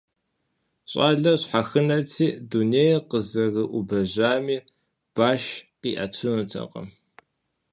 ЩӀалэр щхьэхынэти, дунейр къызэрыӀубэжамэ, баш къиӀэтынутэкъым.